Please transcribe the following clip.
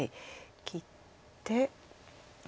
切って。